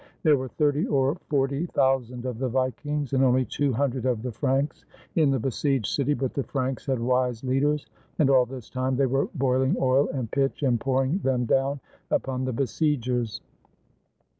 There were thirty or forty thousand of the Vikings, and only two hundred of the Franks in the besieged city; but the Franks had wise leaders, and all this time they were boiling oil and pitch and pouring them down upon the besiegers.